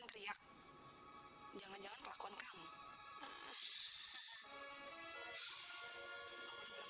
masa aku bisa takut banget